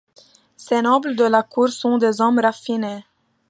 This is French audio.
Ces nobles de la cour sont des hommes raffinés!